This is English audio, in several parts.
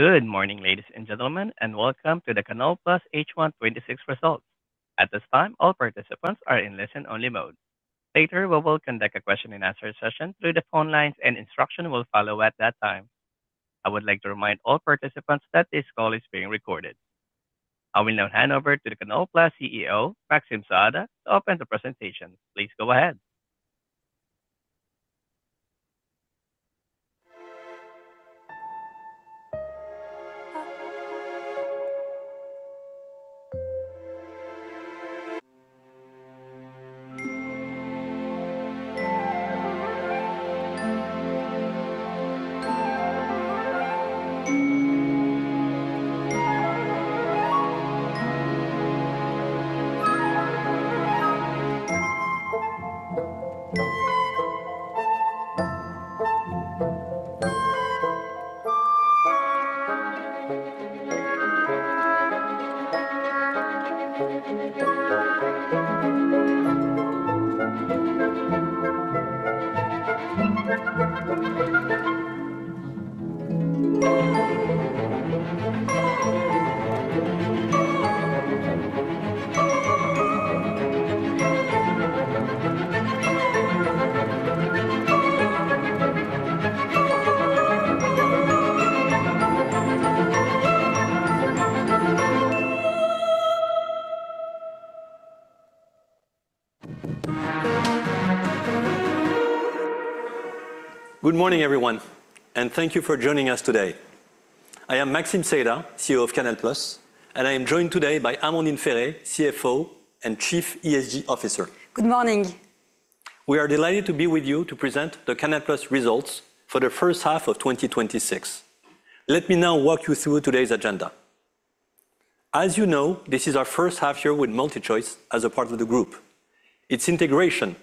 Good morning, ladies and gentlemen, and welcome to the Canal+ H1 2026 results. At this time, all participants are in listen-only mode. Later, we will conduct a question-and-answer session through the phone lines, and instructions will follow at that time. I would like to remind all participants that this call is being recorded. I will now hand over to the Canal+ CEO, Maxime Saada, to open the presentation. Please go ahead. Good morning, everyone, and thank you for joining us today. I am Maxime Saada, CEO of Canal+, and I am joined today by Amandine Ferré, CFO and Chief ESG Officer. Good morning. We are delighted to be with you to present the Canal+ results for the H1 of 2026. Let me now walk you through today's agenda. As you know, this is our H1 year with MultiChoice as a part of the group. Its integration,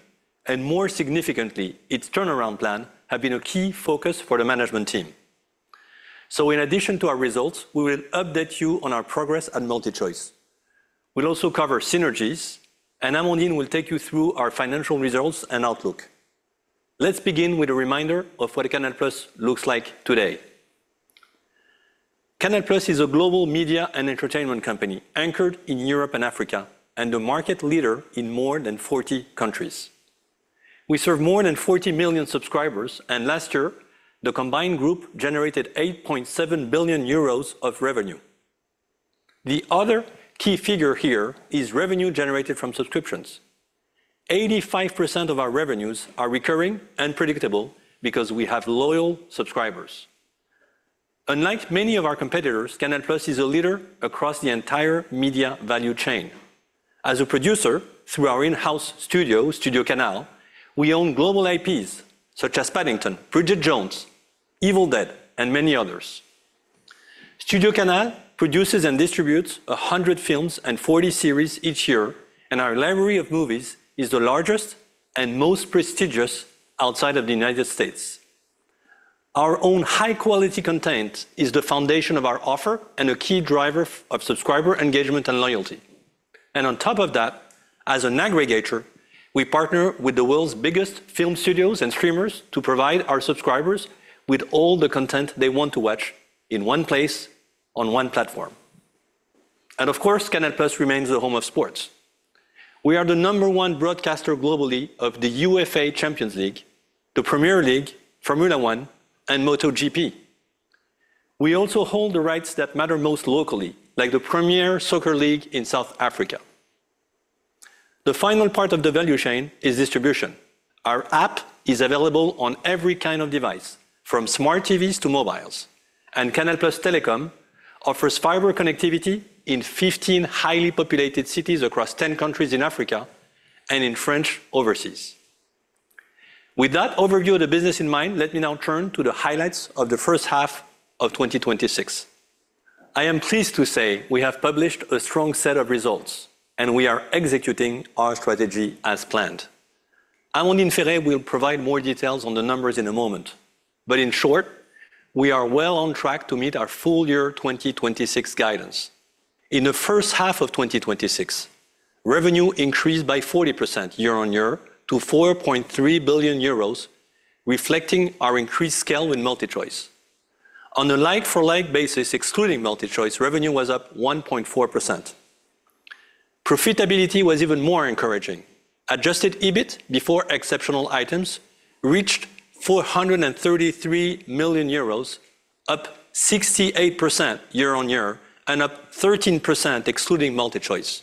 and more significantly, its turnaround plan, have been a key focus for the management team. In addition to our results, we will update you on our progress at MultiChoice. We will also cover synergies, and Amandine will take you through our financial results and outlook. Let us begin with a reminder of what Canal+ looks like today. Canal+ is a global media and entertainment company anchored in Europe and Africa, and the market leader in more than 40 countries. We serve more than 40 million subscribers, and last year, the combined group generated 8.7 billion euros of revenue. The other key figure here is revenue generated from subscriptions. 85% of our revenues are recurring and predictable because we have loyal subscribers. Unlike many of our competitors, Canal+ is a leader across the entire media value chain. As a producer, through our in-house studio, StudioCanal, we own global IPs such as "Paddington," "Bridget Jones," "Evil Dead," and many others. StudioCanal produces and distributes 100 films and 40 series each year, and our library of movies is the largest and most prestigious outside of the United States. Our own high-quality content is the foundation of our offer and a key driver of subscriber engagement and loyalty. On top of that, as an aggregator, we partner with the world's biggest film studios and streamers to provide our subscribers with all the content they want to watch in one place, on one platform. Of course, Canal+ remains the home of sports. We are the number one broadcaster globally of the UEFA Champions League, the Premier League, Formula 1, and MotoGP. We also hold the rights that matter most locally, like the Premier Soccer League in South Africa. The final part of the value chain is distribution. Our app is available on every kind of device, from smart TVs to mobiles. Canal+ Telecom offers fiber connectivity in 15 highly populated cities across 10 countries in Africa and in French overseas. With that overview of the business in mind, let me now turn to the highlights of the H1 of 2026. I am pleased to say we have published a strong set of results, and we are executing our strategy as planned. Amandine Ferré will provide more details on the numbers in a moment. In short, we are well on track to meet our full-year 2026 guidance. In the H1 of 2026, revenue increased by 40% year-on-year to 4.3 billion euros, reflecting our increased scale with MultiChoice. On a like-for-like basis, excluding MultiChoice, revenue was up 1.4%. Profitability was even more encouraging. Adjusted EBIT, before exceptional items, reached 433 million euros, up 68% year-on-year, and up 13% excluding MultiChoice.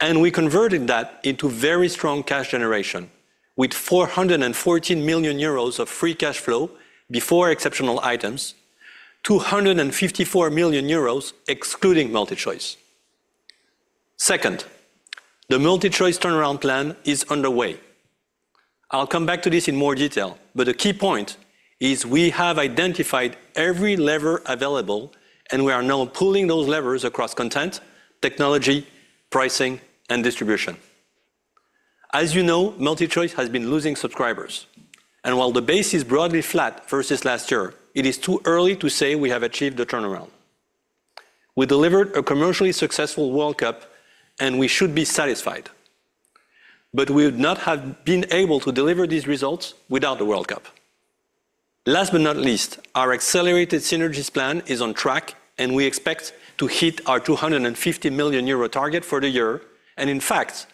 We converted that into very strong cash generation, with 414 million euros of free cash flow before exceptional items, 254 million euros excluding MultiChoice. Second, the MultiChoice turnaround plan is underway. I'll come back to this in more detail, but the key point is we have identified every lever available, and we are now pulling those levers across content, technology, pricing, and distribution. As you know, MultiChoice has been losing subscribers, and while the base is broadly flat versus last year, it is too early to say we have achieved the turnaround. We delivered a commercially successful World Cup, and we should be satisfied. We would not have been able to deliver these results without the World Cup. Last but not least, our accelerated synergies plan is on track, and we expect to hit our 250 million euro target for the year. In fact,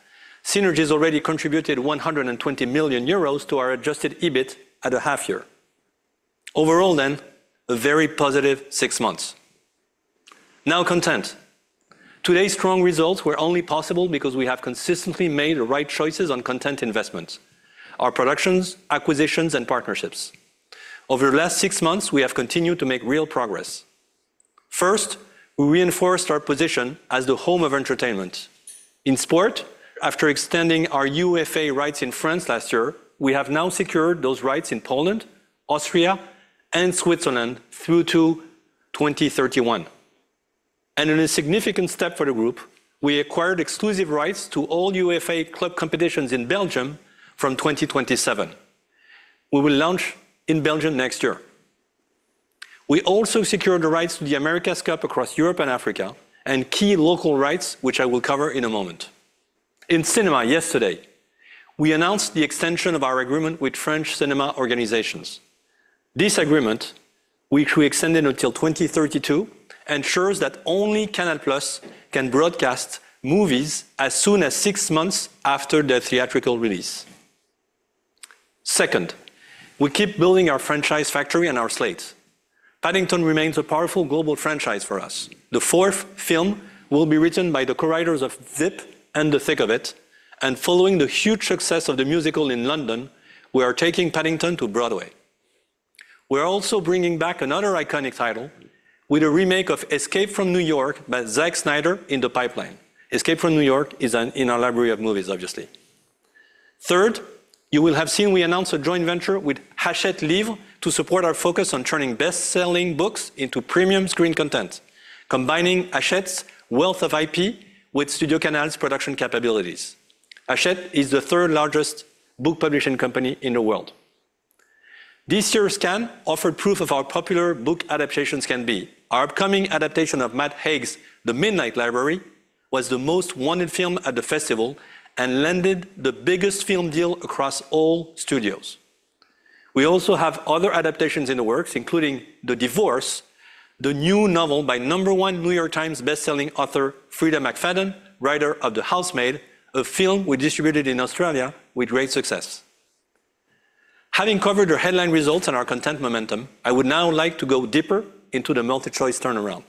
synergies already contributed 120 million euros to our adjusted EBIT at the half year. Overall, a very positive six months. Now content. Today's strong results were only possible because we have consistently made the right choices on content investments, our productions, acquisitions, and partnerships. Over the last six months, we have continued to make real progress. First, we reinforced our position as the home of entertainment. In sport, after extending our UEFA rights in France last year, we have now secured those rights in Poland, Austria, and Switzerland through to 2031. In a significant step for the group, we acquired exclusive rights to all UEFA club competitions in Belgium from 2027. We will launch in Belgium next year. We also secured the rights to the America's Cup across Europe and Africa and key local rights, which I will cover in a moment. In cinema yesterday, we announced the extension of our agreement with French cinema organizations. This agreement, which we extended until 2032, ensures that only Canal+ can broadcast movies as soon as six months after their theatrical release. Second, we keep building our franchise factory and our slate. Paddington remains a powerful global franchise for us. The fourth film will be written by the co-writers of [Zip] and The Thick of It, and following the huge success of the musical in London, we are taking Paddington to Broadway. We are also bringing back another iconic title with a remake of Escape from New York by Zack Snyder in the pipeline. Escape from New York is in our library of movies, obviously. Third, you will have seen we announced a joint venture with Hachette Livre to support our focus on turning best-selling books into premium screen content, combining Hachette's wealth of IP with StudioCanal's production capabilities. Hachette is the third largest book publishing company in the world. This year's Cannes offered proof of how popular book adaptations can be. Our upcoming adaptation of Matt Haig's "The Midnight Library" was the most wanted film at the festival and landed the biggest film deal across all studios. We also have other adaptations in the works, including "The Divorce," the new novel by number one New York Times bestselling author Freida McFadden, writer of "The Housemaid," a film we distributed in Australia with great success. Having covered our headline results and our content momentum, I would now like to go deeper into the MultiChoice turnaround.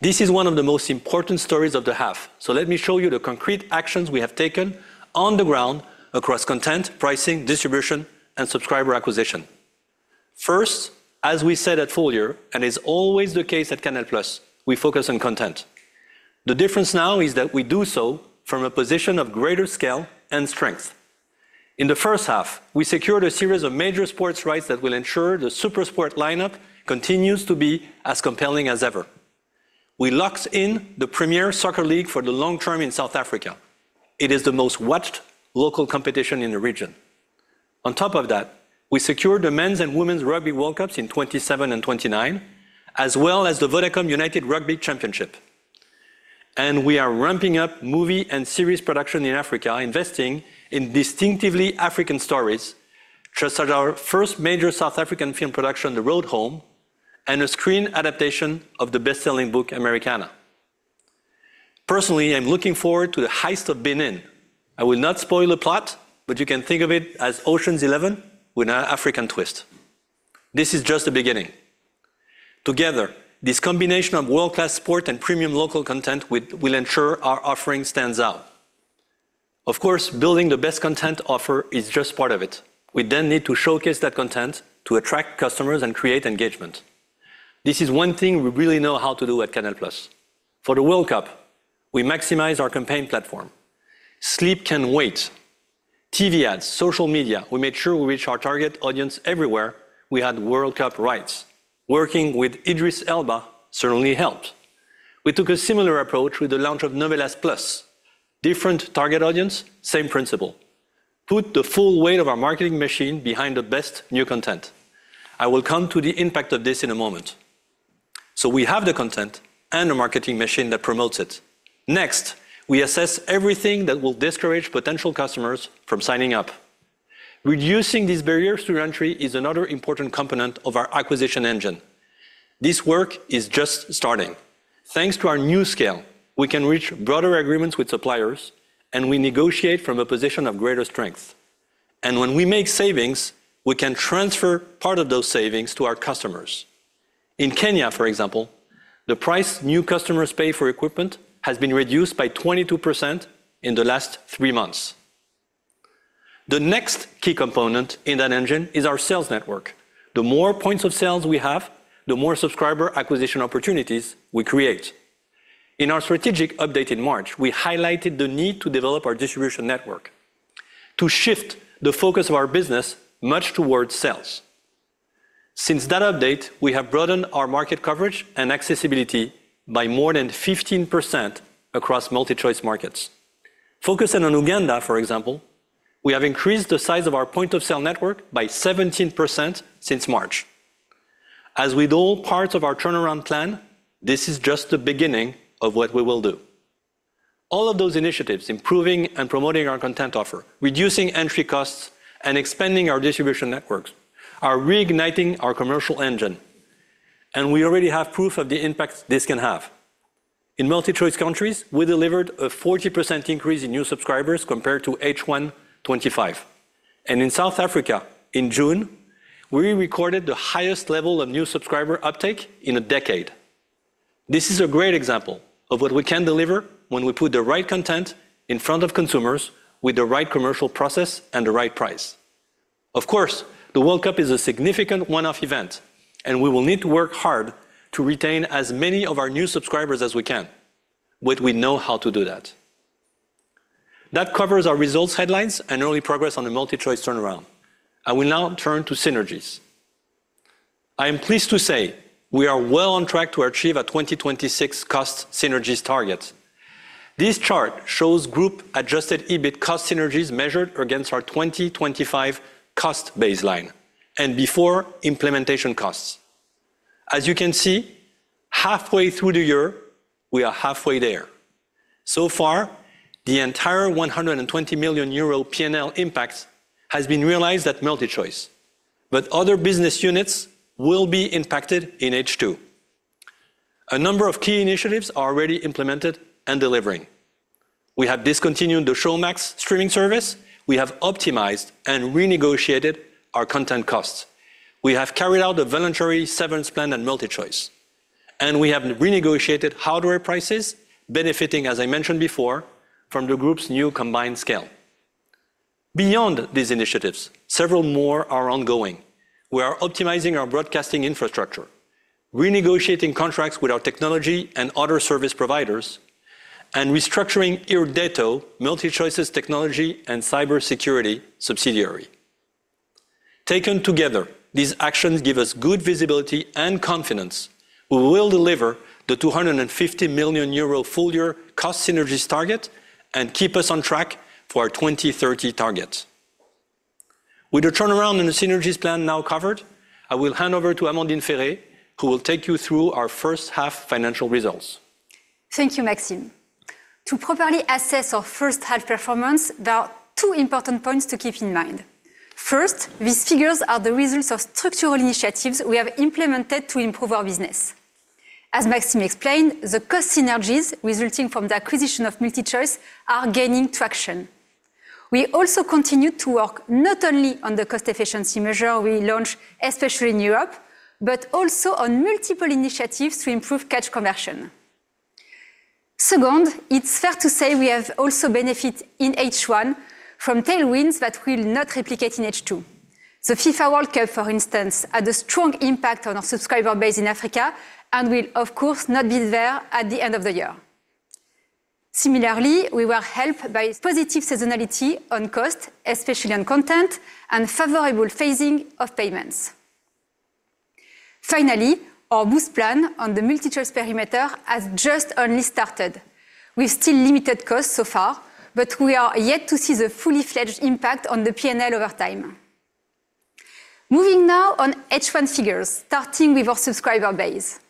This is one of the most important stories of the half, so let me show you the concrete actions we have taken on the ground across content, pricing, distribution, and subscriber acquisition. First, as we said at full-year, and is always the case at Canal+, we focus on content. The difference now is that we do so from a position of greater scale and strength. In the H1, we secured a series of major sports rights that will ensure the SuperSport lineup continues to be as compelling as ever. We locked in the Premier Soccer League for the long term in South Africa. It is the most watched local competition in the region. On top of that, we secured the Men's and Women's Rugby World Cups in 2027 and 2029, as well as the Vodacom United Rugby Championship. We are ramping up movie and series production in Africa, investing in distinctively African stories, such as our first major South African film production, "The Road Home," and a screen adaptation of the bestselling book "Americanah." Personally, I am looking forward to "The Heist of Benin." I will not spoil the plot, but you can think of it as "Ocean's Eleven" with an African twist. This is just the beginning. Together, this combination of world-class sport and premium local content will ensure our offering stands out. Of course, building the best content offer is just part of it. We need to showcase that content to attract customers and create engagement. This is one thing we really know how to do at Canal+. For the World Cup, we maximize our campaign platform. Sleep Can Wait. TV ads, social media. We made sure we reach our target audience everywhere we had World Cup rights. Working with Idris Elba certainly helped. We took a similar approach with the launch of Novelas+. Different target audience, same principle. Put the full weight of our marketing machine behind the best new content. I will come to the impact of this in a moment. We have the content and the marketing machine that promotes it. Next, we assess everything that will discourage potential customers from signing up. Reducing these barriers to entry is another important component of our acquisition engine. This work is just starting. Thanks to our new scale, we can reach broader agreements with suppliers, and we negotiate from a position of greater strength. When we make savings, we can transfer part of those savings to our customers. In Kenya, for example, the price new customers pay for equipment has been reduced by 22% in the last three months. The next key component in that engine is our sales network. The more points of sales we have, the more subscriber acquisition opportunities we create. In our strategic update in March, we highlighted the need to develop our distribution network to shift the focus of our business much towards sales. Since that update, we have broadened our market coverage and accessibility by more than 15% across MultiChoice markets. Focusing on Uganda, for example, we have increased the size of our point-of-sale network by 17% since March. As with all parts of our turnaround plan, this is just the beginning of what we will do. All of those initiatives, improving and promoting our content offer, reducing entry costs, and expanding our distribution networks, are reigniting our commercial engine, and we already have proof of the impact this can have. In MultiChoice countries, we delivered a 40% increase in new subscribers compared to H1 2025, and in South Africa in June, we recorded the highest level of new subscriber uptake in a decade. This is a great example of what we can deliver when we put the right content in front of consumers with the right commercial process and the right price. Of course, the World Cup is a significant one-off event, and we will need to work hard to retain as many of our new subscribers as we can, but we know how to do that. That covers our results headlines and early progress on the MultiChoice turnaround. I will now turn to synergies. I am pleased to say we are well on track to achieve our 2026 cost synergies target. This chart shows group-adjusted EBIT cost synergies measured against our 2025 cost baseline and before implementation costs. As you can see, halfway through the year, we are halfway there. So far, the entire 120 million euro P&L impact has been realized at MultiChoice, but other business units will be impacted in H2. A number of key initiatives are already implemented and delivering. We have discontinued the Showmax streaming service. We have optimized and renegotiated our content costs. We have carried out a voluntary severance plan at MultiChoice, and we have renegotiated hardware prices benefiting, as I mentioned before, from the group's new combined scale. Beyond these initiatives, several more are ongoing. We are optimizing our broadcasting infrastructure, renegotiating contracts with our technology and other service providers, and restructuring Irdeto, MultiChoice's technology and cybersecurity subsidiary. Taken together, these actions give us good visibility and confidence we will deliver the 250 million euro full-year cost synergies target and keep us on track for our 2030 targets. With the turnaround and the synergies plan now covered, I will hand over to Amandine Ferré, who will take you through our H1 financial results. Thank you, Maxime. To properly assess our H1 performance, there are two important points to keep in mind. First, these figures are the results of structural initiatives we have implemented to improve our business. As Maxime explained, the cost synergies resulting from the acquisition of MultiChoice are gaining traction. We also continue to work not only on the cost-efficiency measure we launched, especially in Europe, but also on multiple initiatives to improve cash conversion. Second, it's fair to say we have also benefit in H1 from tailwinds that will not replicate in H2. The FIFA World Cup, for instance, had a strong impact on our subscriber base in Africa and will, of course, not be there at the end of the year. Similarly, we were helped by positive seasonality on cost, especially on content, and favorable phasing of payments. Finally, our Boost plan on the MultiChoice perimeter has just only started. We have still limited costs so far, but we are yet to see the fully fledged impact on the P&L over time. Moving now on H1 figures, starting with our subscriber base.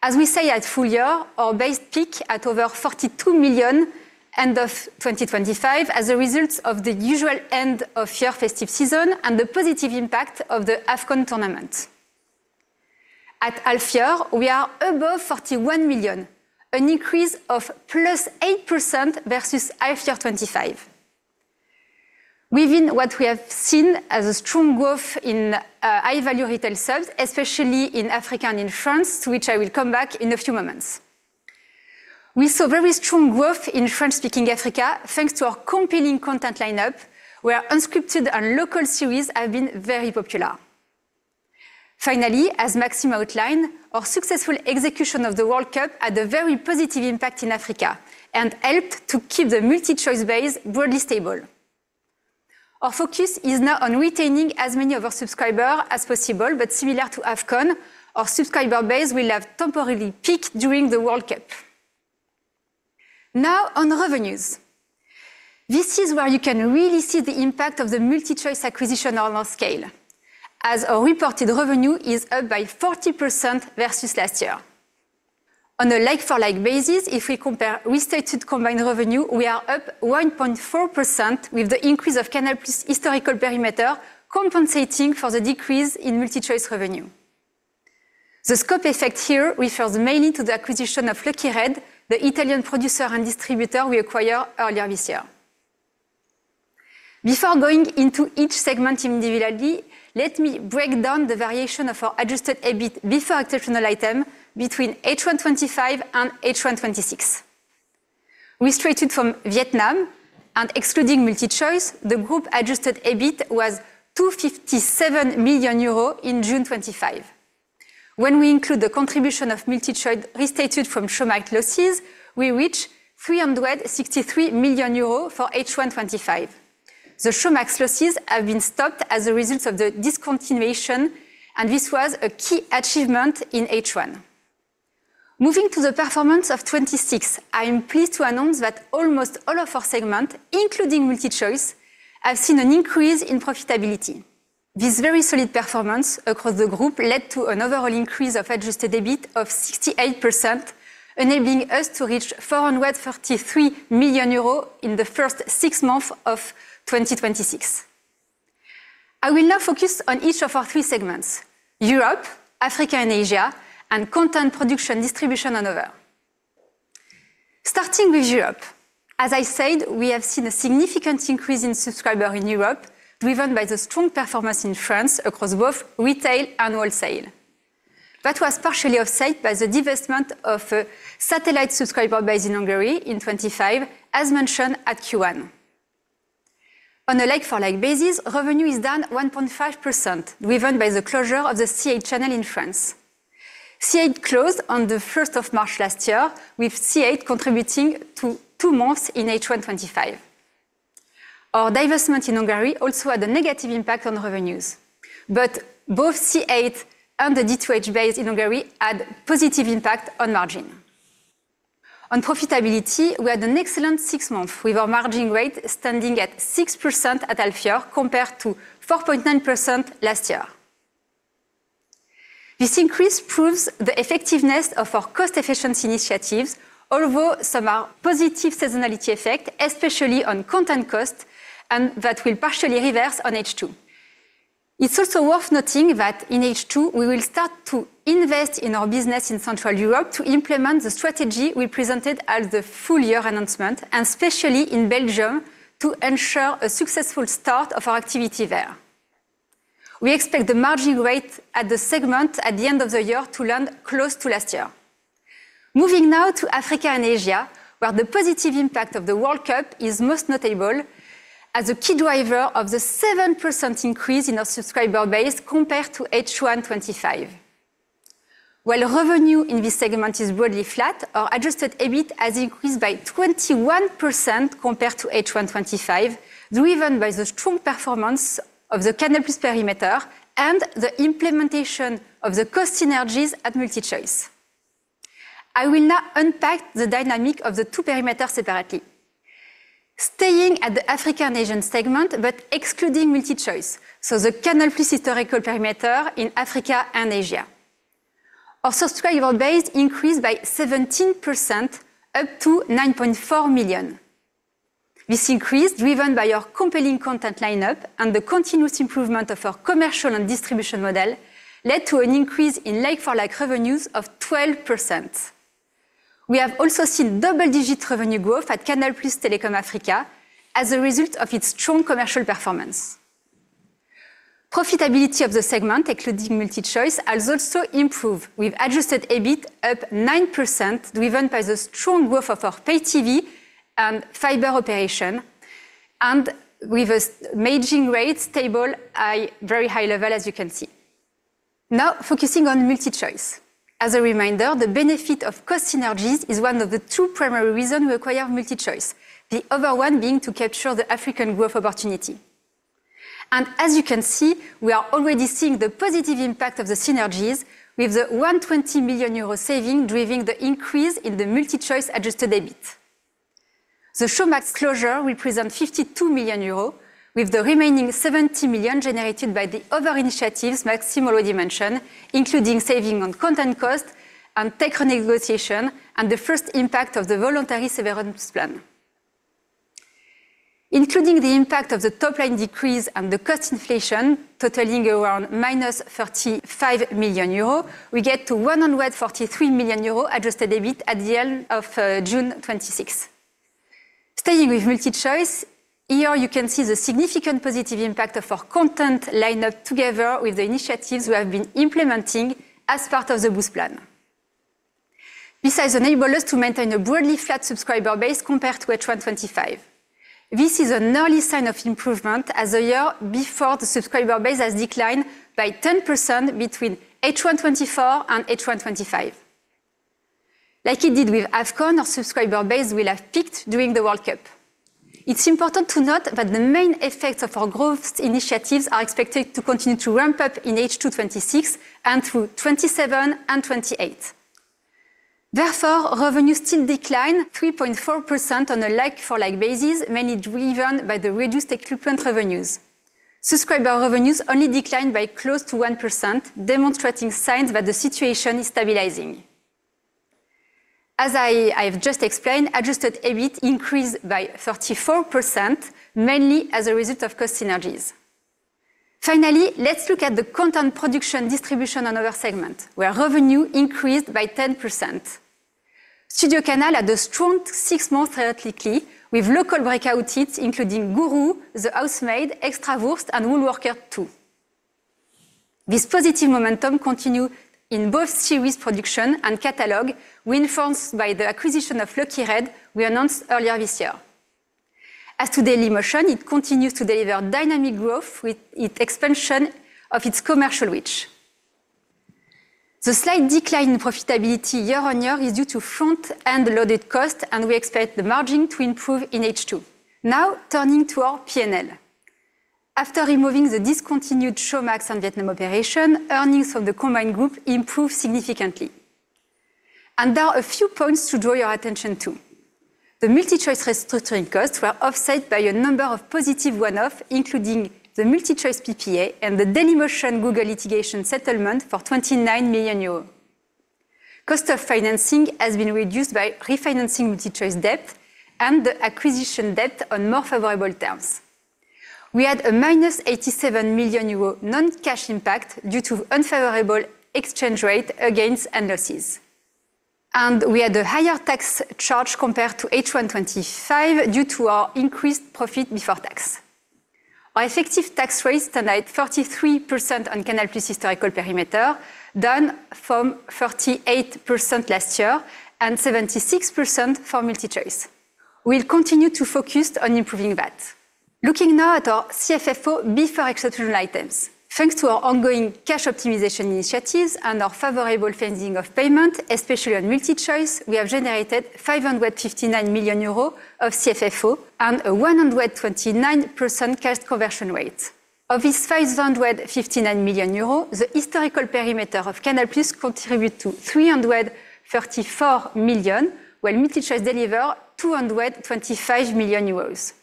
As we say at full-year, our base peak at over 42 million end of 2025 as a result of the usual end-of-year festive season and the positive impact of the AFCON tournament. At half year, we are above 41 million, an increase of +8% versus half year 2025. Within what we have seen as a strong growth in high-value retail subs, especially in Africa and in France, to which I will come back in a few moments. We saw very strong growth in French-speaking Africa, thanks to our compelling content lineup, where unscripted and local series have been very popular. Finally, as Maxime outlined, our successful execution of the World Cup had a very positive impact in Africa and helped to keep the MultiChoice base broadly stable. Our focus is now on retaining as many of our subscriber as possible, but similar to AFCON, our subscriber base will have temporarily peaked during the World Cup. On revenues. This is where you can really see the impact of the MultiChoice acquisition on our scale, as our reported revenue is up by 40% versus last year. On a like-for-like basis, if we compare restated combined revenue, we are up 1.4% with the increase of Canal+ historical perimeter compensating for the decrease in MultiChoice revenue. The scope effect here refers mainly to the acquisition of Lucky Red, the Italian producer and distributor we acquired earlier this year. Before going into each segment individually, let me break down the variation of our adjusted EBIT before exceptional item between H1 2025 and H1 2026. Restated from Vietnam and excluding MultiChoice, the group-adjusted EBIT was 257 million euros in June 2025. When we include the contribution of MultiChoice restated from Showmax losses, we reach 363 million euros for H1 2025. The Showmax losses have been stopped as a result of the discontinuation, and this was a key achievement in H1. Moving to the performance of 2026, I am pleased to announce that almost all of our segments, including MultiChoice, have seen an increase in profitability. This very solid performance across the group led to an overall increase of adjusted EBIT of 68%, enabling us to reach 433 million euros in the first six months of 2026. I will now focus on each of our three segments, Europe, Africa and Asia, and content production, distribution and other. Starting with Europe, as I said, we have seen a significant increase in subscribers in Europe, driven by the strong performance in France across both retail and wholesale. That was partially offset by the divestment of satellite subscriber base in Hungary in 2025, as mentioned at Q1. On a like-for-like basis, revenue is down 1.5%, driven by the closure of the C8 channel in France. C8 closed on the 1st of March last year, with C8 contributing to two months in H1 2025. Our divestment in Hungary also had a negative impact on revenues, but both C8 and the D2H base in Hungary had positive impact on margin. On profitability, we had an excellent six months with our margin rate standing at 6% at half year compared to 4.9% last year. This increase proves the effectiveness of our cost efficiency initiatives, although some are positive seasonality effect, especially on content cost, and that will partially reverse on H2. It is also worth noting that in H2, we will start to invest in our business in Central Europe to implement the strategy we presented at the full-year announcement and especially in Belgium, to ensure a successful start of our activity there. We expect the margin rate at the segment at the end of the year to land close to last year. Moving now to Africa and Asia, where the positive impact of the World Cup is most notable as a key driver of the 7% increase in our subscriber base compared to H1 2025. While revenue in this segment is broadly flat, our adjusted EBIT has increased by 21% compared to H1 2025, driven by the strong performance of the Canal+ perimeter and the implementation of the cost synergies at MultiChoice. I will now unpack the dynamic of the two perimeters separately. Staying at the Africa and Asian segment, but excluding MultiChoice, so the Canal+ historical perimeter in Africa and Asia. Our subscriber base increased by 17%, up to 9.4 million. This increase, driven by our compelling content lineup and the continuous improvement of our commercial and distribution model, led to an increase in like-for-like revenues of 12%. We have also seen double-digit revenue growth at Canal+ Telecom Africa as a result of its strong commercial performance. Profitability of the segment, excluding MultiChoice, has also improved with adjusted EBIT up 9%, driven by the strong growth of our pay TV and fiber operation and with a margin rate stable at very high level, as you can see. Now focusing on MultiChoice. As a reminder, the benefit of cost synergies is one of the two primary reasons we acquired MultiChoice, the other one being to capture the African growth opportunity. As you can see, we are already seeing the positive impact of the synergies with the 120 million euro saving driving the increase in the MultiChoice adjusted EBIT. The Showmax closure will present 52 million euros, with the remaining 70 million generated by the other initiatives Maxime already mentioned, including saving on content cost and pay negotiation, and the first impact of the voluntary severance plan. Including the impact of the top line decrease and the cost inflation totaling around -35 million euros, we get to 143 million euros adjusted EBIT at the end of June 2026. Staying with MultiChoice, here you can see the significant positive impact of our content lineup together with the initiatives we have been implementing as part of the Boost plan. This has enabled us to maintain a broadly flat subscriber base compared to H1 2025. This is an early sign of improvement as a year before the subscriber base has declined by 10% between H1 2024 and H1 2025. Like it did with AFCON, our subscriber base will have peaked during the World Cup. It's important to note that the main effects of our growth initiatives are expected to continue to ramp up in H2 2026 and through 2027 and 2028. Therefore, revenue still declined 3.4% on a like-for-like basis, mainly driven by the reduced equipment revenues. Subscriber revenues only declined by close to 1%, demonstrating signs that the situation is stabilizing. As I have just explained, adjusted EBIT increased by 34%, mainly as a result of cost synergies. Finally, let's look at the content production distribution on our segment where revenue increased by 10%. StudioCanal had a strong six months theoretically, with local breakout hits including "Guru," "The Housemaid," "Extrawurst," and "Woolworker 2." This positive momentum continue in both series production and catalog, reinforced by the acquisition of Lucky Red we announced earlier this year. As to Dailymotion, it continues to deliver dynamic growth with expansion of its commercial reach. The slight decline in profitability year-on-year is due to front-end loaded cost, and we expect the margin to improve in H2. Now turning to our P&L. After removing the discontinued Showmax and Vietnam operation, earnings from the combined group improved significantly. There are a few points to draw your attention to. The MultiChoice restructuring costs were offset by a number of positive one-off, including the MultiChoice PPA and the Dailymotion Google litigation settlement for 29 million euros. Cost of financing has been reduced by refinancing MultiChoice debt and the acquisition debt on more favorable terms. We had a EUR-87 million non-cash impact due to unfavorable exchange rate against end losses. We had a higher tax charge compared to H1 2025, due to our increased profit before tax. Our effective tax rates tonight, 33% on Canal+ historical perimeter, down from 38% last year and 76% for MultiChoice. We'll continue to focus on improving that. Looking now at our CFFO before exceptional items. Thanks to our ongoing cash optimization initiatives and our favorable phasing of payment, especially on MultiChoice, we have generated 559 million euros of CFFO and a 129% cash conversion rate. Of this 559 million euros, the historical perimeter of Canal+ contribute to 334 million, while MultiChoice deliver 225 million euros.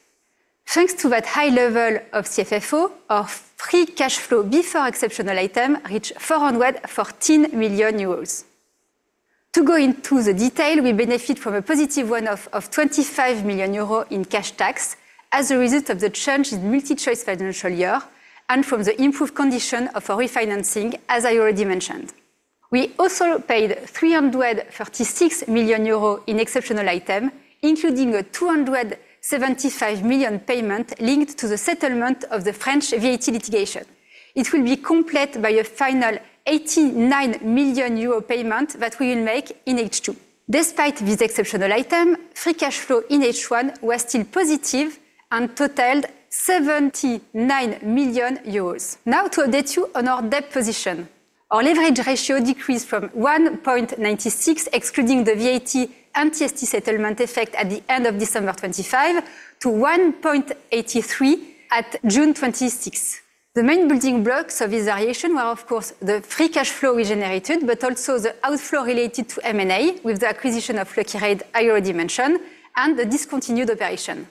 Thanks to that high level of CFFO, our free cash flow before exceptional item reach 414 million euros. To go into the detail, we benefit from a positive one-off of 25 million euros in cash tax as a result of the change in MultiChoice financial year and from the improved condition of our refinancing, as I already mentioned. We also paid 336 million euro in exceptional item, including a 275 million payment linked to the settlement of the French VAT litigation. It will be complete by a final 89 million euro payment that we will make in H2. Despite this exceptional item, free cash flow in H1 was still positive and totaled 79 million euros. To update you on our debt position. Our leverage ratio decreased from 1.96, excluding the VAT and CST settlement effect at the end of December 2025, to 1.83 at June 2026. The main building blocks of this variation were, of course, the free cash flow we generated, also the outflow related to M&A with the acquisition of Lucky Red I already mentioned, and the discontinued operation.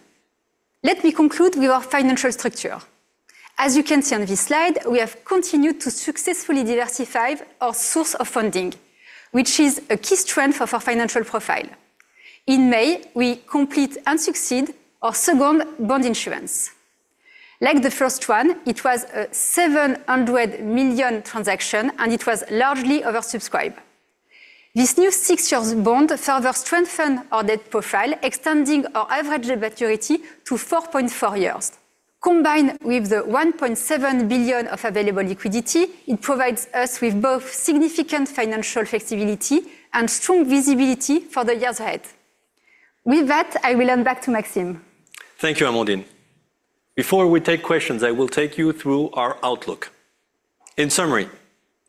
Let me conclude with our financial structure. As you can see on this slide, we have continued to successfully diversify our source of funding, which is a key strength of our financial profile. In May, we complete and succeed our second bond issuance. Like the first one, it was a 700 million transaction, it was largely oversubscribed. This new six years bond further strengthen our debt profile, extending our average maturity to 4.4 years. Combined with the 1.7 billion of available liquidity, it provides us with both significant financial flexibility and strong visibility for the years ahead. With that, I will hand back to Maxime. Thank you, Amandine. Before we take questions, I will take you through our outlook. In summary,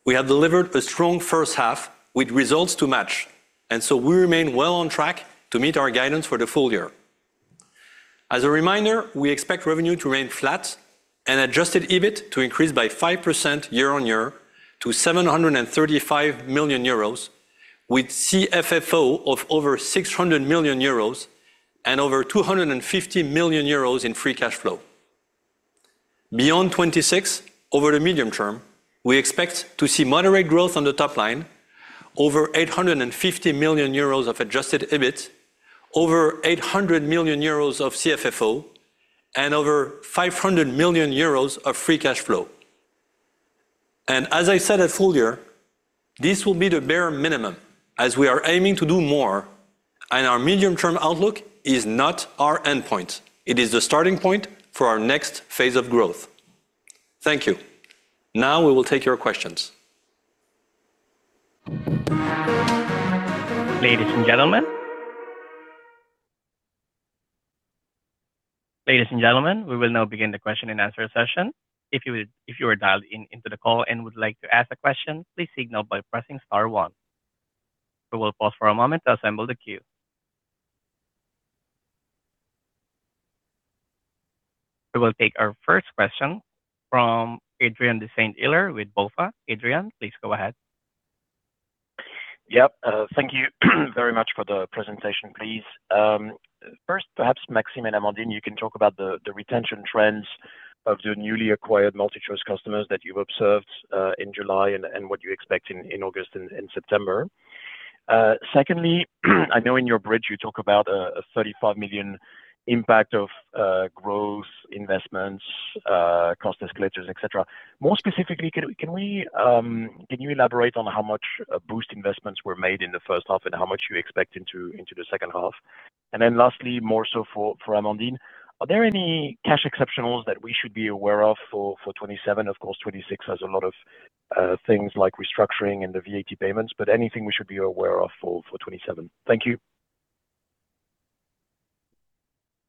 we have delivered a strong H1 with results to match, so we remain well on track to meet our guidance for the full-year. As a reminder, we expect revenue to remain flat and adjusted EBIT to increase by 5% year-on-year to 735 million euros, with CFFO of over 600 million euros and over 250 million euros in free cash flow. Beyond 2026, over the medium term, we expect to see moderate growth on the top line, over 850 million euros of adjusted EBIT, over 800 million euros of CFFO, and over 500 million euros of free cash flow. As I said at full-year, this will be the bare minimum as we are aiming to do more, our medium-term outlook is not our endpoint. It is the starting point for our next phase of growth. Thank you. Now we will take your questions. Ladies and gentlemen, we will now begin the question-and-answer session. If you are dialed into the call and would like to ask a question, please signal by pressing star one. We will pause for a moment to assemble the queue. We will take our first question from Adrien de Saint Hilaire with BofA. Adrien, please go ahead. Thank you very much for the presentation, please. First, perhaps Maxime and Amandine, you can talk about the retention trends of the newly acquired MultiChoice customers that you've observed in July and what you expect in August and September. Secondly, I know in your bridge you talk about a 35 million impact of growth investments, cost escalators, et cetera. More specifically, can you elaborate on how much boost investments were made in the H1 and how much you expect into the H2? Lastly, more so for Amandine, are there any cash exceptionals that we should be aware of for 2027? Of course, 2026 has a lot of things like restructuring and the VAT payments, but anything we should be aware of for 2027? Thank you.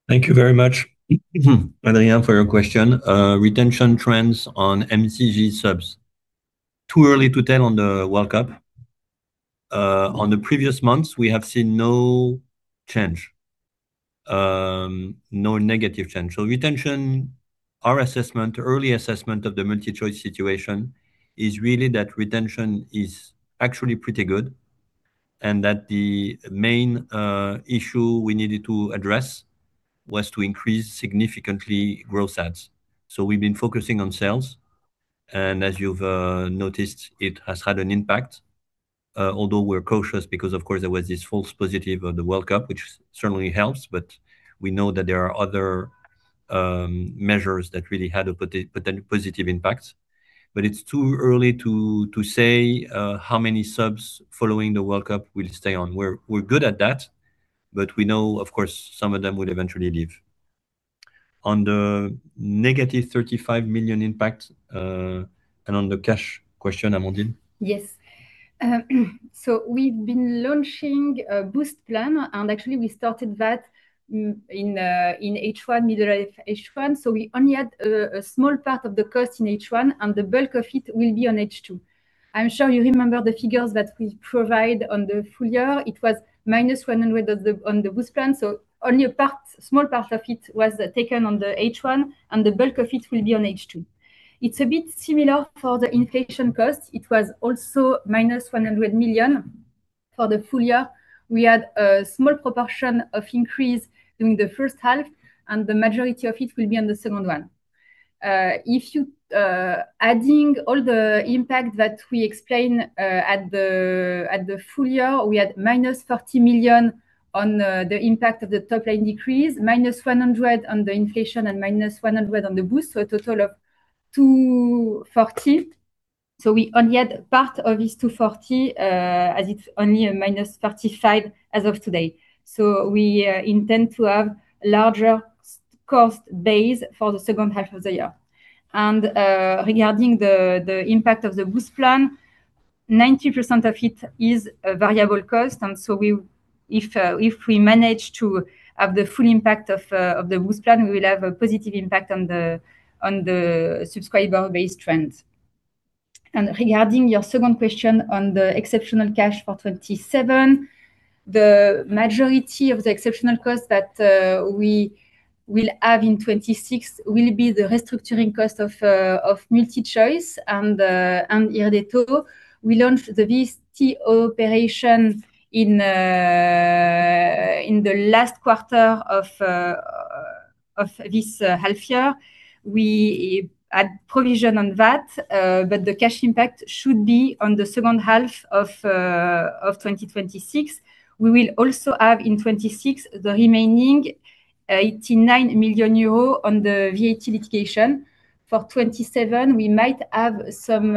Thank you very much, Adrien, for your question. Retention trends on MCG subs. Too early to tell on the World Cup. On the previous months, we have seen no change. No negative change. Retention, our early assessment of the MultiChoice situation is really that retention is actually pretty good, and that the main issue we needed to address was to increase significantly growth adds. We've been focusing on sales, and as you've noticed, it has had an impact. Although we're cautious because, of course, there was this false positive of the World Cup, which certainly helps, but we know that there are other measures that really had a potential positive impact. It's too early to say how many subs following the World Cup will stay on. We're good at that, but we know, of course, some of them would eventually leave. On the -35 million impact, on the cash question, Amandine? Yes. We've been launching a Boost plan, actually we started that in H1, middle H1. We only had a small part of the cost in H1, the bulk of it will be on H2. I'm sure you remember the figures that we provide on the full-year. It was -100 on the Boost plan, only a small part of it was taken on the H1, the bulk of it will be on H2. It's a bit similar for the inflation cost. It was also -100 million for the full-year. We had a small proportion of increase during the H1, the majority of it will be on the second one. If you adding all the impact that we explained at the full-year, we had -30 million on the impact of the top-line decrease, -100 on the inflation, -100 on the Boost, a total of 240. We only had part of this 240, as it's only a -35 as of today. We intend to have larger cost base for the H2 of the year. Regarding the impact of the Boost plan, 90% of it is a variable cost, if we manage to have the full impact of the Boost plan, we will have a positive impact on the subscriber base trends. Regarding your second question on the exceptional cash for 2027, the majority of the exceptional cost that we will have in 2026 will be the restructuring cost of MultiChoice and Irdeto. We launched this T operation in the last quarter of this half year. We had provision on that, the cash impact should be on the H2 of 2026. We will also have in 2026 the remaining 89 million euros on the VAT litigation. For 2027, we might have some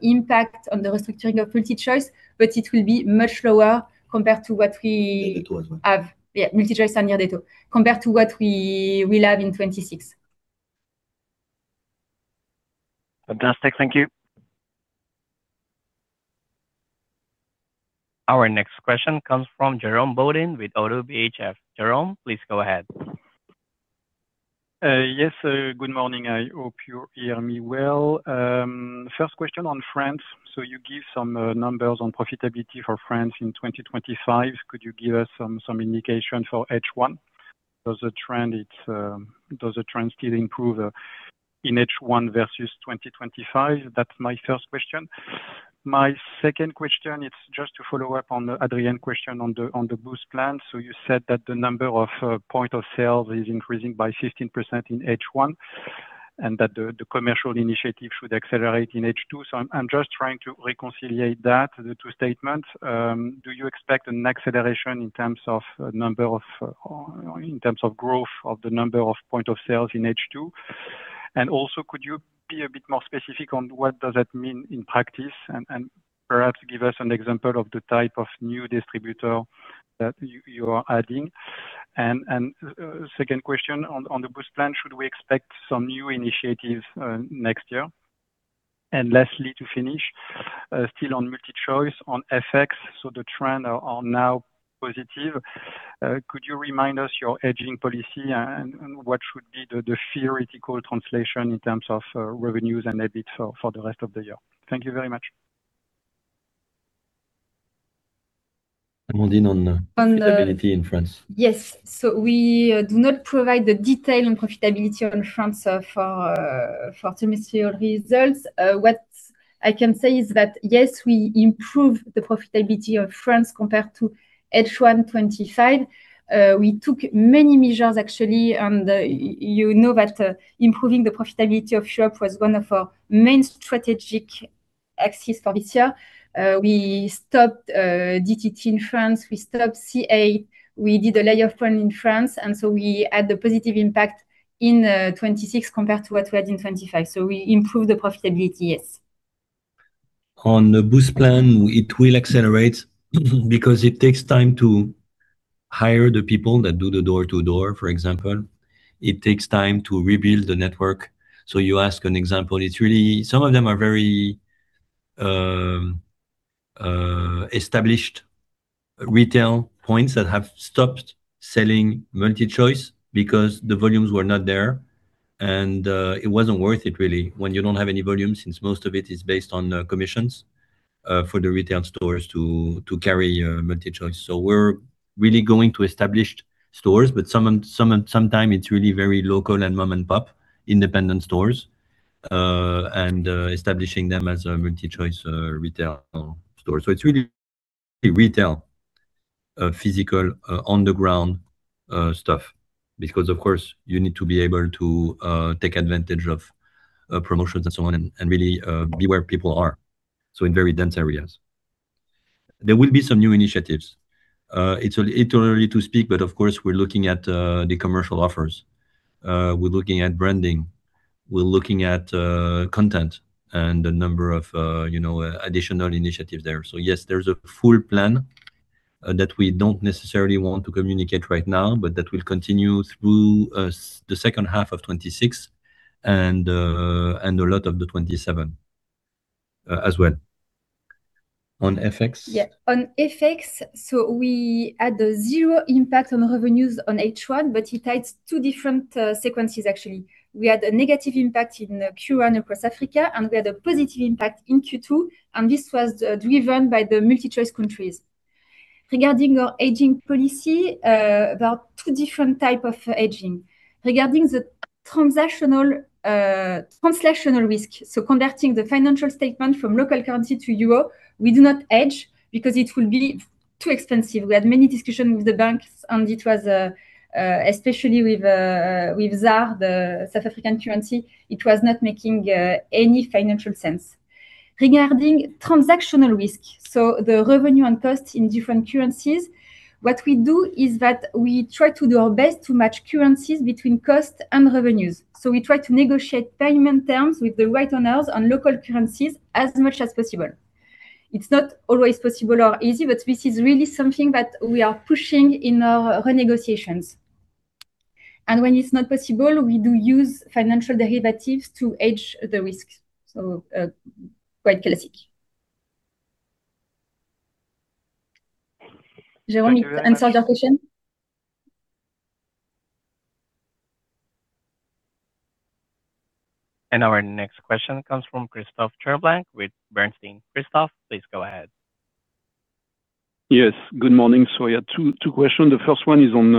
impact on the restructuring of MultiChoice, but it will be much lower compared to what we- Irdeto as well. Have. Yeah, MultiChoice and Irdeto, compared to what we will have in 2026. Fantastic. Thank you. Our next question comes from Jérôme Bodin with Oddo BHF. Jérôme, please go ahead. Yes. Good morning. I hope you hear me well. First question on France. You give some numbers on profitability for France in 2025. Could you give us some indication for H1? Does the trend still improve in H1 versus 2025? That's my first question. My second question is just to follow up on the Adrien question on the boost plan. You said that the number of point of sales is increasing by 15% in H1, and that the commercial initiative should accelerate in H2. I'm just trying to reconcile that, the two statements. Do you expect an acceleration in terms of growth of the number of point of sales in H2? Also could you be a bit more specific on what does that mean in practice, and perhaps give us an example of the type of new distributor that you are adding? Second question on the Boost plan, should we expect some new initiatives next year? Lastly, to finish, still on MultiChoice, on FX. The trend are now positive. Could you remind us your hedging policy and what should be the theoretical translation in terms of revenues and EBIT for the rest of the year? Thank you very much. Amandine on the- On the- Profitability in France. Yes. We do not provide the detail on profitability on France for semester results. What I can say is that, yes, we improved the profitability of France compared to H1 2025. We took many measures, actually, and you know that improving the profitability of shop was one of our main strategic axes for this year. We stopped DTT in France. We stopped C8. We did a lay-off plan in France. We had the positive impact in 2026 compared to what we had in 2025. We improved the profitability, yes. On the Boost plan, it will accelerate because it takes time to hire the people that do the door to door, for example. It takes time to rebuild the network. You ask an example. Some of them are very established Retail points that have stopped selling MultiChoice because the volumes were not there, and it wasn't worth it really when you don't have any volume, since most of it is based on commissions for the retail stores to carry MultiChoice. We're really going to established stores, but sometimes it's really very local and mom-and-pop independent stores, and establishing them as a MultiChoice retail store. It's really retail, physical, on-the-ground stuff. Of course you need to be able to take advantage of promotions and so on, and really be where people are. In very dense areas. There will be some new initiatives. It's a little early to speak. Of course, we're looking at the commercial offers. We're looking at branding. We're looking at content and a number of additional initiatives there. Yes, there's a full plan that we don't necessarily want to communicate right now, but that will continue through the H2 of 2026 and a lot of the 2027 as well. On FX? On FX, we had zero impact on revenues on H1. It hides two different sequences, actually. We had a negative impact in Q1 across Africa. We had a positive impact in Q2. This was driven by the MultiChoice countries. Regarding our hedging policy, there are two different type of hedging. Regarding the transactional risk, conducting the financial statement from local currency to EUR, we do not hedge because it will be too expensive. We had many discussions with the banks. It was especially with ZAR, the South African currency, it was not making any financial sense. Regarding transactional risk, the revenue and cost in different currencies, what we do is that we try to do our best to match currencies between cost and revenues. We try to negotiate payment terms with the right owners on local currencies as much as possible. It's not always possible or easy, but this is really something that we are pushing in our renegotiations. When it's not possible, we do use financial derivatives to hedge the risk. Quite classic. Jérôme, answer the question? Our next question comes from Christophe Cherblanc with Bernstein. Christophe, please go ahead. Yes. Good morning. I had two questions. The first one is on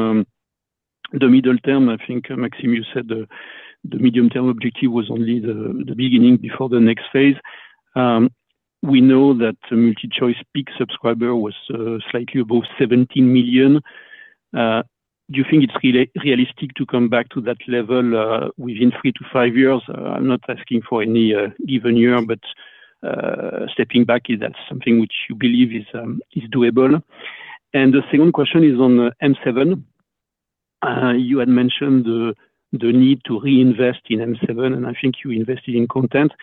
the medium-term. I think, Maxime, you said the medium-term objective was only the beginning before the next phase. We know that the MultiChoice peak subscriber was slightly above 17 million. Do you think it's realistic to come back to that level within three to five years? I'm not asking for any given year, but stepping back, is that something which you believe is doable? The second question is on M7. You had mentioned the need to reinvest in M7, and I think you invested in content.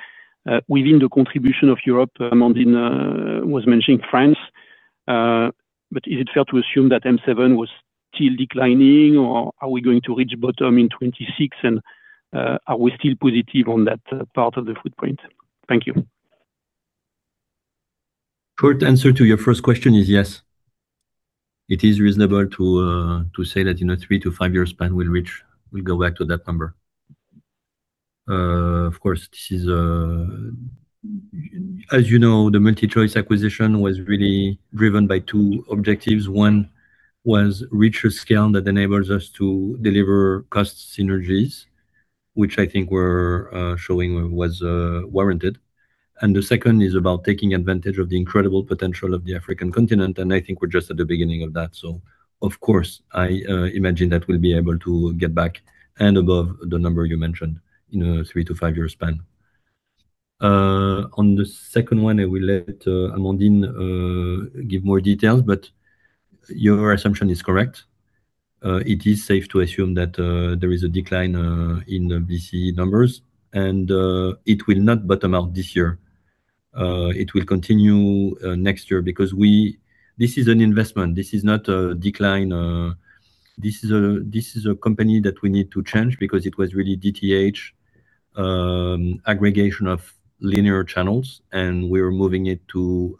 Within the contribution of Europe, Amandine was mentioning France. Is it fair to assume that M7 was still declining, or are we going to reach bottom in 2026, and are we still positive on that part of the footprint? Thank you. Short answer to your first question is yes. It is reasonable to say that in a three to five-year span, we'll go back to that number. Of course, as you know, the MultiChoice acquisition was really driven by two objectives. One was reach a scale that enables us to deliver cost synergies, which I think we're showing was warranted. The second is about taking advantage of the incredible potential of the African continent, and I think we're just at the beginning of that. Of course, I imagine that we'll be able to get back and above the number you mentioned in a three to five-year span. On the second one, I will let Amandine give more details, but your assumption is correct. It is safe to assume that there is a decline in BCE numbers, and it will not bottom out this year. It will continue next year because this is an investment. This is not a decline. This is a company that we need to change because it was really DTH aggregation of linear channels, and we're moving it to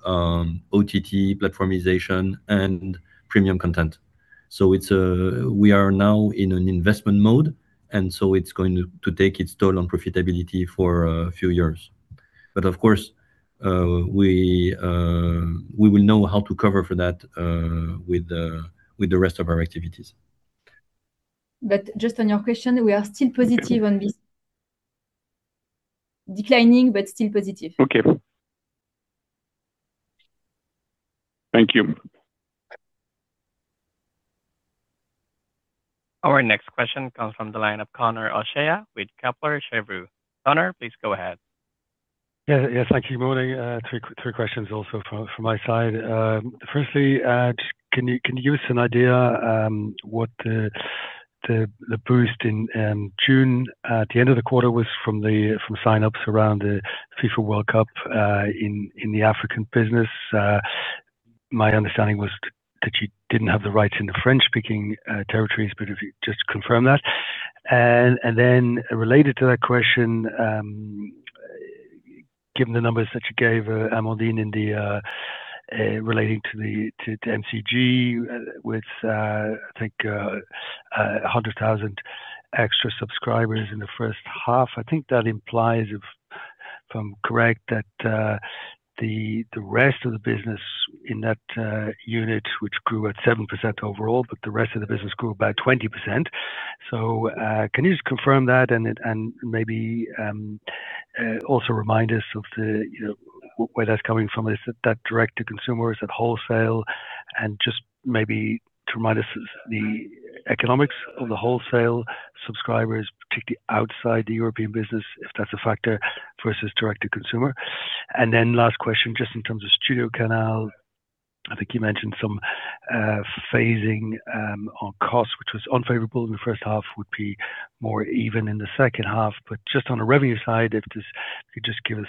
OTT platformization and premium content. We are now in an investment mode, it's going to take its toll on profitability for a few years. Of course, we will know how to cover for that with the rest of our activities. Just on your question, we are still positive on this. Declining, still positive. Okay. Thank you. Our next question comes from the line of Conor O'Shea with Kepler Cheuvreux. Conor, please go ahead. Thank you. Morning. Three questions also from my side. Firstly, can you give us an idea what the boost in June at the end of the quarter was from sign-ups around the FIFA World Cup in the African business? My understanding was that you didn't have the rights in the French-speaking territories, if you just confirm that. Related to that question, given the numbers that you gave, Amandine, relating to the MCG with, I think, 100,000 extra subscribers in the H1. I think that implies, if I'm correct, that the rest of the business in that unit, which grew at 7% overall, the rest of the business grew about 20%. Can you just confirm that and maybe also remind us of where that's coming from? Is that direct to consumer? Is that wholesale? Just maybe to remind us the economics of the wholesale subscribers, particularly outside the European business, if that's a factor versus direct to consumer. Last question, just in terms of StudioCanal, I think you mentioned some phasing on cost, which was unfavorable in the H1, would be more even in the H2. Just on the revenue side, if you could just give us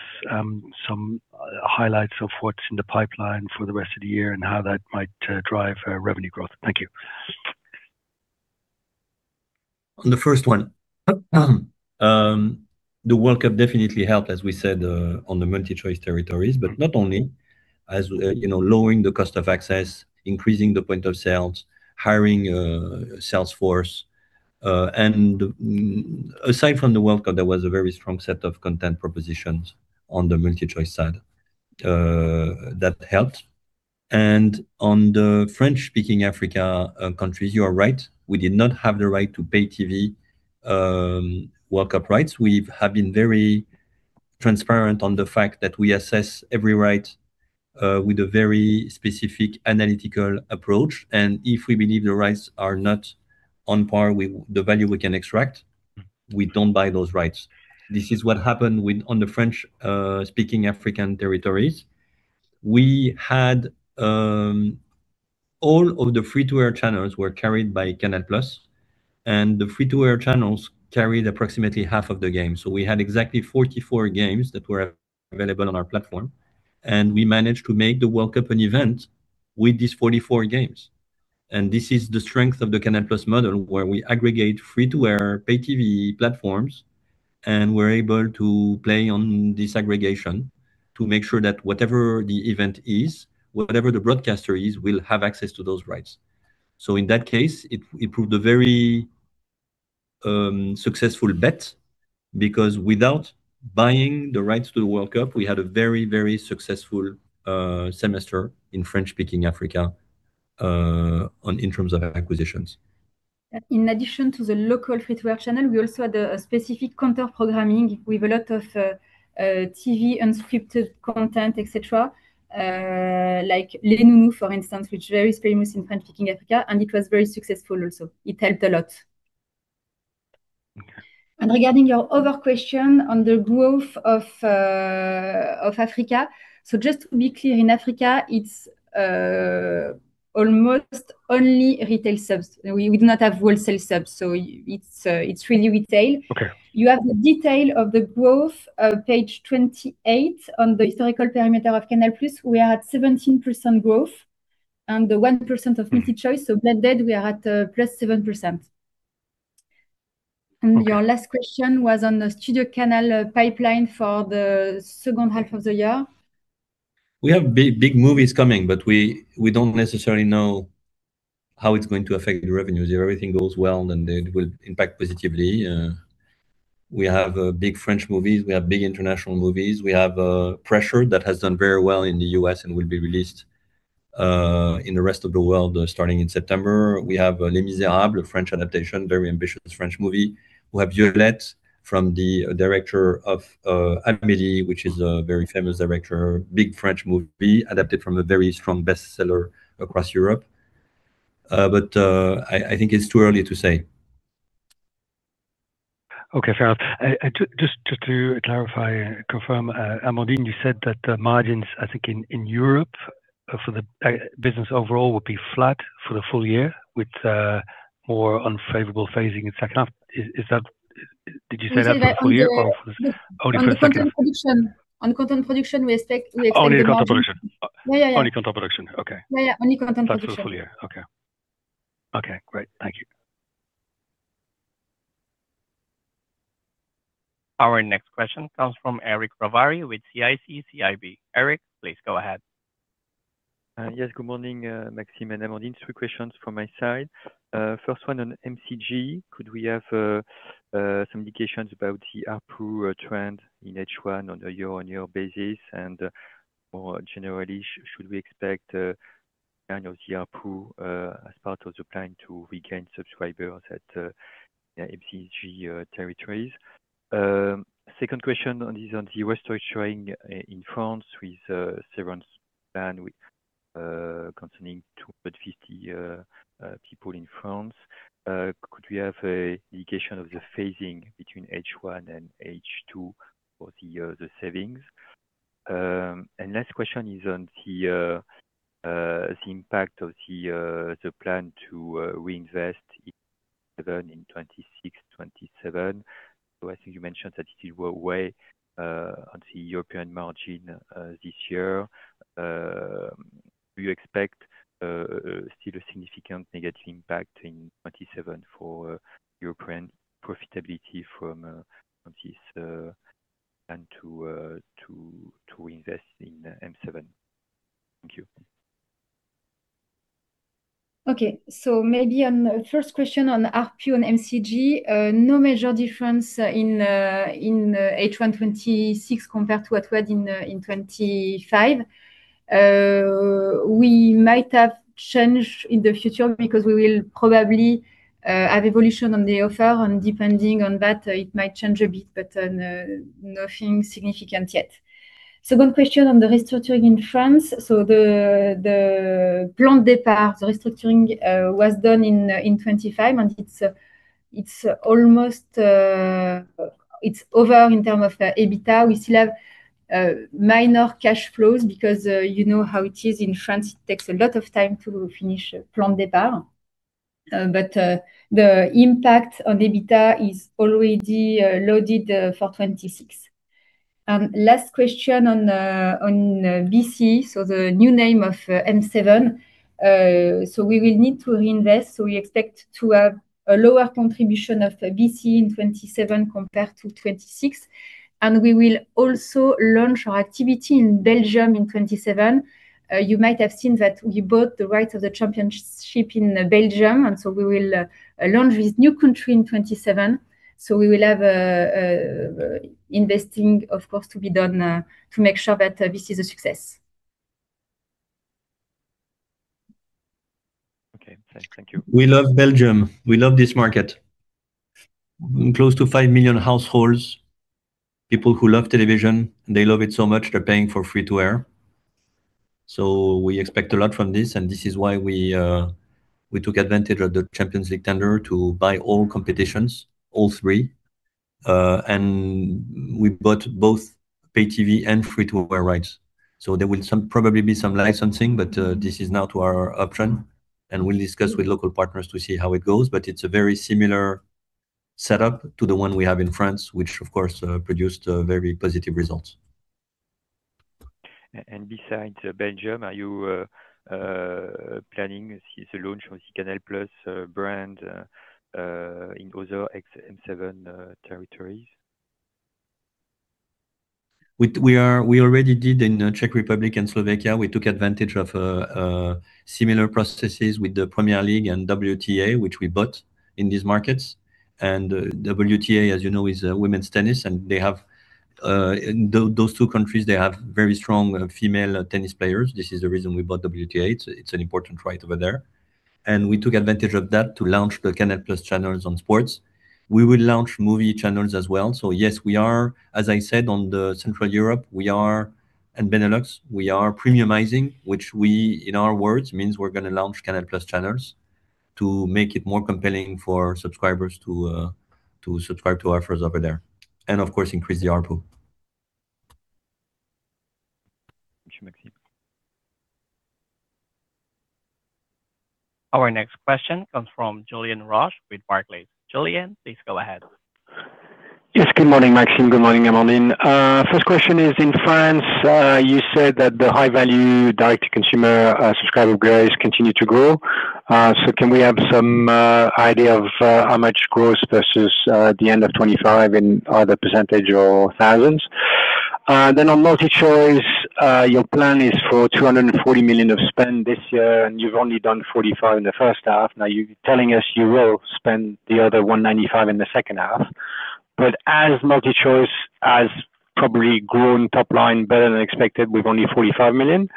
some highlights of what's in the pipeline for the rest of the year and how that might drive revenue growth. Thank you. On the first one, the World Cup definitely helped, as we said, on the MultiChoice territories, not only. As lowering the cost of access, increasing the point of sales, hiring a sales force. Aside from the World Cup, there was a very strong set of content propositions on the MultiChoice side that helped. On the French-speaking Africa countries, you are right, we did not have the right to pay TV World Cup rights. We have been very transparent on the fact that we assess every right with a very specific analytical approach. If we believe the rights are not on par with the value we can extract, we don't buy those rights. This is what happened on the French-speaking African territories. All of the free-to-air channels were carried by Canal+, the free-to-air channels carried approximately half of the games. We had exactly 44 games that were available on our platform, we managed to make the World Cup an event with these 44 games. This is the strength of the Canal+ model, where we aggregate free-to-air, pay TV platforms, we're able to play on this aggregation to make sure that whatever the event is, whatever the broadcaster is, we'll have access to those rights. In that case, it proved a very successful bet because without buying the rights to the World Cup, we had a very successful semester in French-speaking Africa in terms of acquisitions. In addition to the local free-to-air channel, we also had a specific counter-programming with a lot of TV unscripted content, et cetera, like "Les Nounous," for instance, which is very famous in French-speaking Africa, and it was very successful also. It helped a lot. Regarding your other question on the growth of Africa. Just to be clear, in Africa, it's almost only retail subs. We would not have wholesale subs, so it's really retail. Okay. You have the detail of the growth on page 28 on the historical perimeter of Canal+. We are at 17% growth and the 1% of MultiChoice. Blended we are at +7%. Your last question was on the StudioCanal pipeline for the H2 of the year. We have big movies coming, we don't necessarily know how it's going to affect the revenue. If everything goes well, then it will impact positively. We have big French movies. We have big international movies. We have "Pressure" that has done very well in the U.S. and will be released in the rest of the world starting in September. We have "Les Misérables," a French adaptation, very ambitious French movie. We have "Violet" from the director of "Amélie," which is a very famous director, big French movie adapted from a very strong bestseller across Europe. I think it's too early to say. Okay. Ferré, just to clarify and confirm, Amandine, you said that margins, I think in Europe for the business overall would be flat for the full-year with more unfavorable phasing in H2. Did you say that for full-year or only for second? On content production we expect. Only on content production. Yeah. Only content production. Okay. Yeah. Only content production. That's for full-year. Okay. Okay, great. Thank you. Our next question comes from Eric Ravary with CIC CIB. Eric, please go ahead. Yes, good morning, Maxime and Amandine. Three questions from my side. First one on MCG. Could we have some indications about the ARPU trend in H1 on a year-on-year basis? More generally, should we expect the ARPU as part of the plan to regain subscribers at MCG territories? Second question is on the restructuring in France with Severance Plan concerning 250 people in France. Could we have an indication of the phasing between H1 and H2 for the savings? Last question is on the impact of the plan to reinvest in 2026, 2027. I think you mentioned that it will weigh on the European margin this year. Do you expect still a significant negative impact in 2027 for European profitability from this plan to invest in M7? Thank you. Okay. Maybe on the first question on ARPU and MCG, no major difference in H1 2026 compared to what we had in 2025. We might have change in the future because we will probably have evolution on the offer, and depending on that, it might change a bit, but nothing significant yet. Second question on the restructuring in France. The plan départ, the restructuring, was done in 2025, and it's over in term of the EBITDA. We still have minor cash flows because you know how it is in France. It takes a lot of time to finish plan départ. The impact on EBITDA is already loaded for 2026. Last question on BC, the new name of M7. We will need to reinvest, we expect to have a lower contribution of BC in 2027 compared to 2026. We will also launch our activity in Belgium in 2027. You might have seen that we bought the rights of the Championship in Belgium. We will launch this new country in 2027. We will have investing, of course, to be done to make sure that this is a success. Okay. Thank you. We love Belgium. We love this market. Close to five million households. People who love television, and they love it so much they're paying for free-to-air. We expect a lot from this, and this is why we took advantage of the Champions League tender to buy all competitions, all three. We bought both pay TV and free-to-air rights. There will probably be some licensing. This is now to our option, and we'll discuss with local partners to see how it goes. It's a very similar setup to the one we have in France, which of course produced very positive results. Besides Belgium, are you planning the launch of Canal+ brand in other ex-M7 territories? We already did in the Czech Republic and Slovakia. We took advantage of similar processes with the Premier League and WTA, which we bought in these markets. WTA, as you know, is women's tennis. In those two countries, they have very strong female tennis players. This is the reason we bought WTA. It's an important right over there. We took advantage of that to launch the Canal+ channels on sports. We will launch movie channels as well. Yes, as I said, on the Central Europe and Benelux, we are premiumizing, which, in our words, means we're going to launch Canal+ channels to make it more compelling for subscribers to subscribe to our offers over there. Of course, increase the ARPU. Thank you. Our next question comes from Julien Roch with Barclays. Julien, please go ahead. Yes, good morning, Maxime. Good morning, Amandine. First question is in France, you said that the high-value direct-to-consumer subscriber base continued to grow. Can we have some idea of how much gross versus the end of 2025 in either percentage or thousands? On MultiChoice, your plan is for 240 million of spend this year, and you've only done 45 million in the H1. Now you're telling us you will spend the other 195 million in the H2. As MultiChoice has probably grown top line better than expected with only 45 million,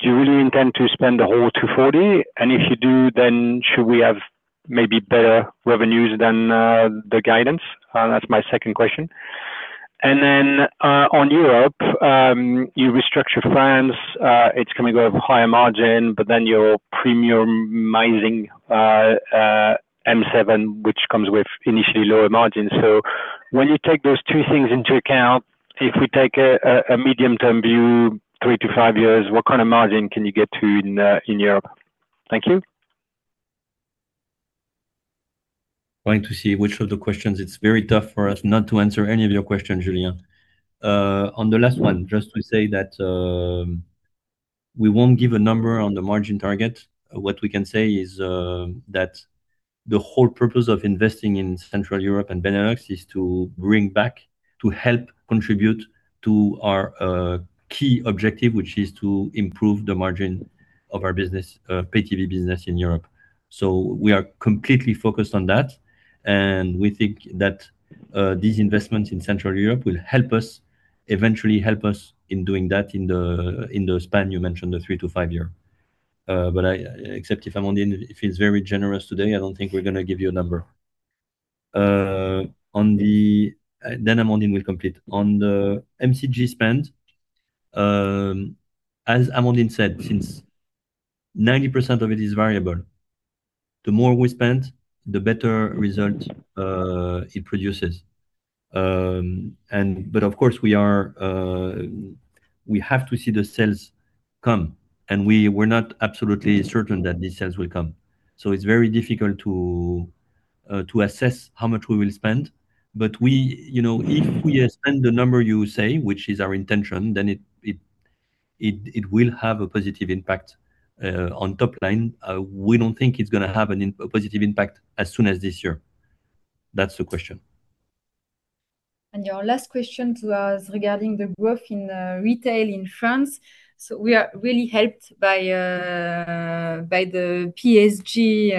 do you really intend to spend the whole 240 million? If you do, should we have maybe better revenues than the guidance? That's my second question. On Europe, you restructure France. It's going to go higher margin, but then you're premiumizing M7, which comes with initially lower margin. When you take those two things into account, if we take a medium-term view, three to five years, what kind of margin can you get to in Europe? Thank you. Trying to see which of the questions. It's very tough for us not to answer any of your questions, Julien. On the last one, just to say that we won't give a number on the margin target. What we can say is that the whole purpose of investing in Central Europe and Benelux is to bring back to help contribute to our key objective, which is to improve the margin of our pay TV business in Europe. We are completely focused on that, and we think that these investments in Central Europe will eventually help us in doing that in the span you mentioned, the three to five year. Except if Amandine feels very generous today, I don't think we're going to give you a number. Amandine will complete. On the MCG spend, as Amandine said, since 90% of it is variable, the more we spend, the better result it produces. Of course, we have to see the sales come, and we're not absolutely certain that these sales will come. It's very difficult to assess how much we will spend. If we spend the number you say, which is our intention, then it will have a positive impact on top line. We don't think it's going to have a positive impact as soon as this year. That's the question. Your last question to us regarding the growth in retail in France. We are really helped by the PSG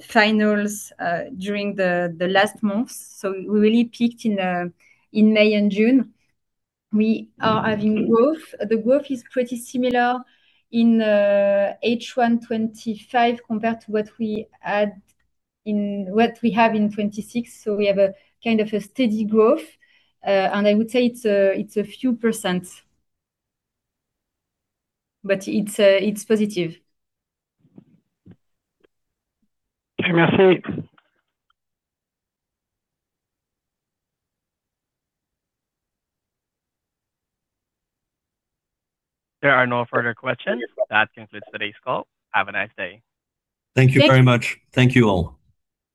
finals during the last months. We really peaked in May and June. We are having growth. The growth is pretty similar in H1 2025 compared to what we have in 2026. We have a kind of a steady growth. I would say it's a few percent, but it's positive. [inaudible] There are no further questions. That concludes today's call. Have a nice day. Thank you. Thank you very much. Thank you all.